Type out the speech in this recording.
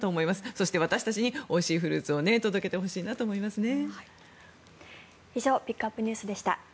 そして私たちにおいしいフルーツを届けてほしいと思いますね。